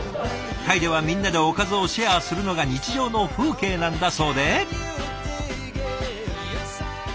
タイではみんなでおかずをシェアするのが日常の風景なんだそうで。